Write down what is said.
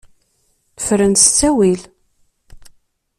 Fren s ttawil.